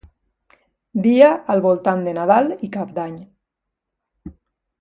Dia al voltant de Nadal i Cap d'Any.